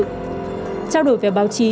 trao đổi về báo chí